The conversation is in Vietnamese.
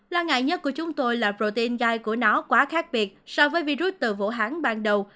lo ngại nhất của chúng tôi là protein gai của nó quá khác biệt so với virus từ vũ hán ban đầu